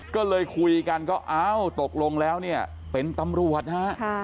ก็เลยคุยกันก็อ้าวตกลงแล้วเนี่ยเป็นตำรวจฮะ